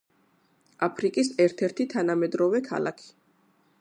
აფრიკის ერთ-ერთი თანამედროვე ქალაქი.